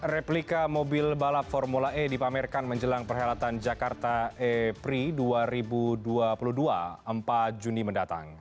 replika mobil balap formula e dipamerkan menjelang perhelatan jakarta e pri dua ribu dua puluh dua empat juni mendatang